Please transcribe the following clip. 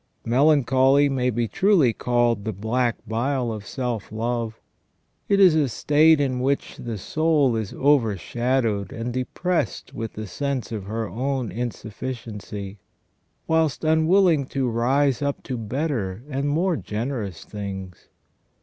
Melancholy may be truly called the black bile of self love ; it is a state in which the soul is overshadowed and depressed with the sense of her own insufficiency, whilst unwilling to rise up to better and more generous things.